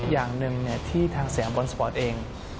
อย่างหนึ่งที่ทางเสียงบอลสปอร์ตเอง